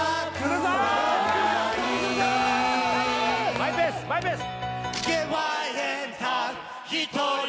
マイペースマイペース！